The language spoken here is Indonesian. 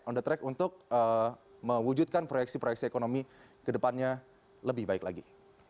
on the track untuk mewujudkan proyeksi proyeksi ekonomi ke depannya lebih baik lagi